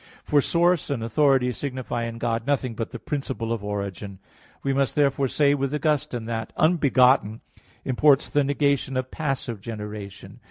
For source and authority signify in God nothing but the principle of origin. We must therefore say with Augustine (De Trin. v, 7) that "unbegotten" imports the negation of passive generation.